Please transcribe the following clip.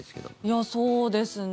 いや、そうですね。